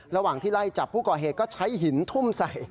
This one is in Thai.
ระหว่างที่ไล่จับผู้ก่อเหตุก็ใช้หินทุ่มใส่